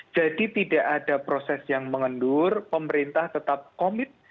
jadi tidak ada proses yang mengendur pemerintah tetap komit